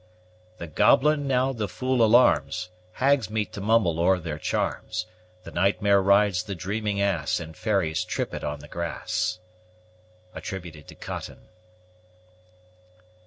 The goblin now the fool alarms, Hags meet to mumble o'er their charms, The night mare rides the dreaming ass, And fairies trip it on the grass. COTTON.